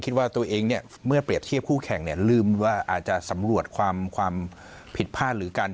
คิดว่าตัวเองเนี่ยเมื่อเปรียบเทียบคู่แข่งเนี่ยลืมว่าอาจจะสำรวจความผิดพลาดหรือกัน